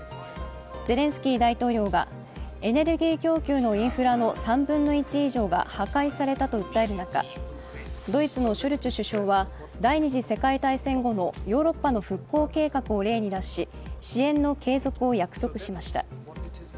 ゼレンスキー大統領がエネルギー供給のインフラの３分の１以上が破壊されたと訴える中ドイツのショルツ首相は第二次世界大戦後のヨーロッパの復興計画を例に出し支援の継続を約束しました。